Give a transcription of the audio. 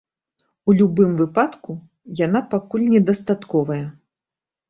У любым выпадку, яна пакуль недастатковая.